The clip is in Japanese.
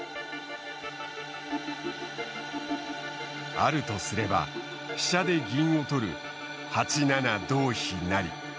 あるとすれば飛車で銀を取る８七同飛成。